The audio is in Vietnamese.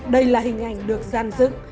đây là hình ảnh được gian dựng